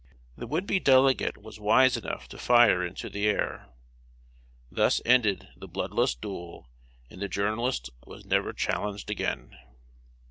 The would be Delegate was wise enough to fire into the air. Thus ended the bloodless duel, and the journalist was never challenged again.